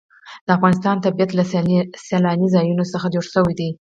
د افغانستان طبیعت له سیلانی ځایونه څخه جوړ شوی دی.